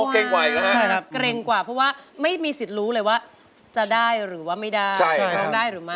เกรงกว่าเพราะว่าไม่มีสิทธิ์รู้เลยว่าจะได้หรือว่าไม่ได้ร้องได้หรือไม่